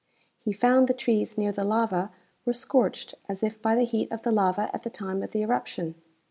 He found the trees near the lava were scorched as if by the heat of the lava at the time of the eruption.